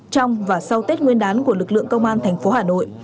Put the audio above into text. trong và sau tết nguyên đán của lực lượng công an thành phố hà nội